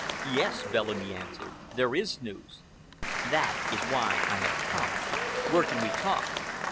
"Yes," Bellamy answered, "there is news! That is why I have come. Where can we talk?"